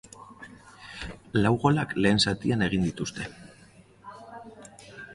Lau golak lehen zatian egin dituzte.